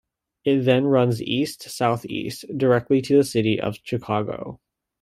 It then runs east-southeast directly to the city of Chicago.